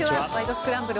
スクランブル」